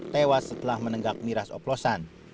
tewas setelah menenggak miras oplosan